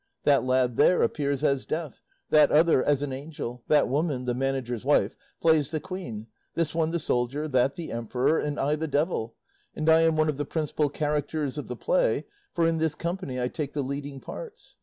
That lad there appears as Death, that other as an angel, that woman, the manager's wife, plays the queen, this one the soldier, that the emperor, and I the devil; and I am one of the principal characters of the play, for in this company I take the leading parts.